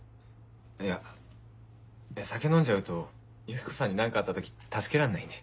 いや酒飲んじゃうとユキコさんに何かあった時助けらんないんで。